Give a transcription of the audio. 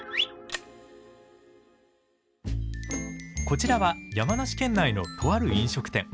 こちらは山梨県内のとある飲食店。